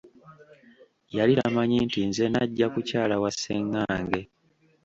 Yali tamanyi nti nze najja kukyala wa ssengange.